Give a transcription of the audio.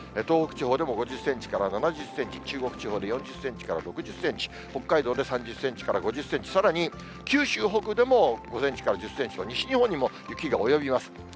東北地方でも５０センチから７０センチ、中国地方で４０センチから６０センチ、北海道で３０センチから５０センチ、さらに九州北部でも５センチから１０センチと西日本にも雪が及びます。